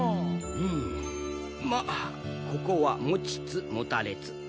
うむまっここは持ちつ持たれつ。